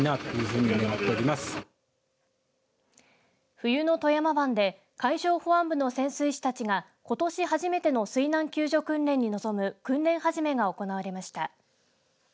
冬の富山湾で海上保安部の潜水士たちがことし初めての水難救助訓練に臨む訓練始めが行われました。